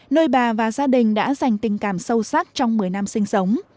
nơi bà và gia đình đã dành tình cảm sâu sắc trong một mươi năm sinh sống